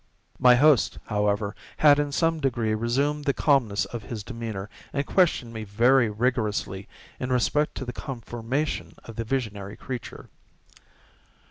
My host, however, had in some degree resumed the calmness of his demeanor, and questioned me very rigorously in respect to the conformation of the visionary creature.